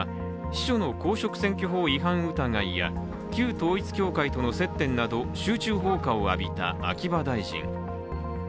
秘書の公職選挙法違反の疑いや旧統一教会との接点など集中砲火を浴びた秋葉大臣。